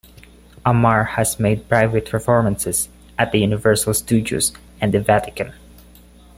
Ammar has made private performances at Universal Studios and the Vatican.